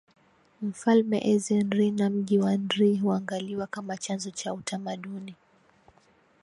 mfalme Eze Nrina mji wa Nri huangaliwa kama chanzo cha utamaduni